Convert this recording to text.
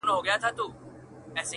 خو هغې دغه ډالۍ~